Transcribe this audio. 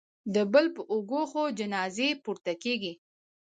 د بل په اوږو خو جنازې پورته کېږي